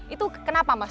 itu kenapa mas